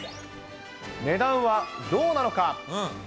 値段はどうなのか。